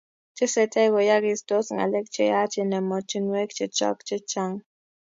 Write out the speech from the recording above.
Tesetai koyaagistos ngalek cheyach eng emotinwek chechok chechang